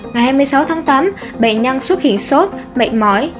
ngày hai mươi sáu tháng tám bệnh nhân xuất hiện sốt mệt mỏi